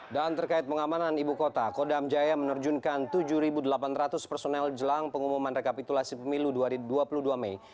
dan terkait pengamanan ibu kota kodam jaya menerjunkan tujuh delapan ratus personel jelang pengumuman rekapitulasi pemilu dua puluh dua mei